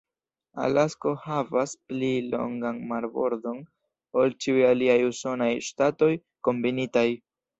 Alasko havas pli longan marbordon ol ĉiuj aliaj usonaj ŝtatoj kombinitaj.